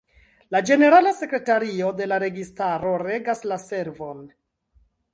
La ĝenerala sekretario de la registaro regas la servon.